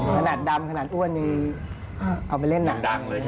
ขนาดดำขนาดอ้วนเอาไปเล่นหนัง